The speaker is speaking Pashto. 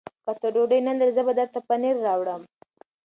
که ته ډوډۍ نه لرې، زه به درته له کوره پنېر راوړم.